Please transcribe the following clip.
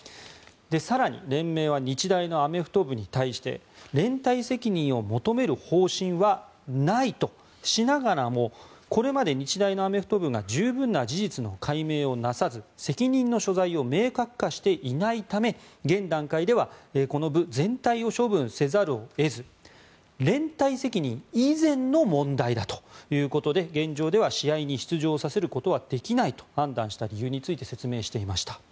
更に、連盟は日大アメフト部に対して連帯責任を求める方針はないとしながらもこれまで日大のアメフト部が十分な事実の解明をなさず責任の所在を明確化していないため現段階ではこの部全体を処分せざるを得ず連帯責任以前の問題だということで現状では試合に出場させることはできないと判断せざるを得ないと説明していました。